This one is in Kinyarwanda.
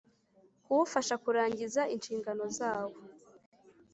Kuwufasha kurangiza inshingano zawo